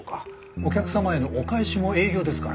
お客様へのお返しも営業ですから。